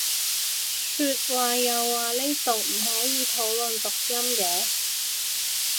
話說又話呢度唔可以討論讀音嘅？